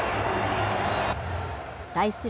対する